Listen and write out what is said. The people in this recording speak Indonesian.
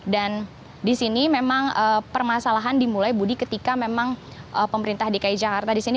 dan di sini memang permasalahan dimulai budi ketika memang pemerintah dki jakarta di sini